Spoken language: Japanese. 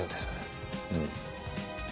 うん。